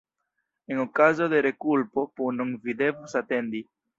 En okazo de rekulpo, punon vi devus atendi.